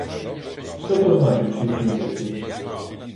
Що то значить шість місяців!